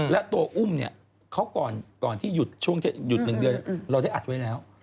และตัวอุ้มเนี่ยเขาก่อนที่หยุดช่วงหยุด๑เดือนเราได้อัดไว้แล้ว